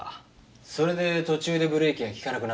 それで途中でブレーキが利かなくなったんですね。